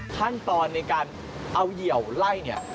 ท่านตอนในการเอาเหี่ยวไล่นี่